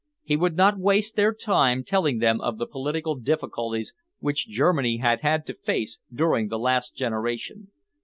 He would not waste their time telling them of the political difficulties which Germany had had to face during the last generation.